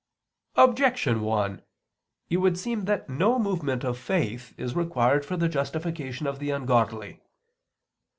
Objection 1: It would seem that no movement of faith is required for the justification of the ungodly.